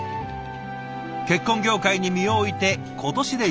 結婚業界に身を置いて今年で１０年。